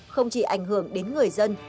không chỉ ảnh hưởng đến người dân